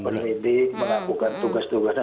meneliti melakukan tugas tugasnya